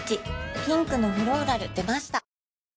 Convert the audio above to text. ピンクのフローラル出ました